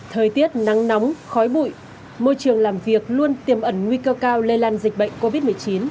thời tiết nắng nóng khói bụi môi trường làm việc luôn tiềm ẩn nguy cơ cao lây lan dịch bệnh covid một mươi chín